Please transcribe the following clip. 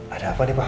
ada apa nih pak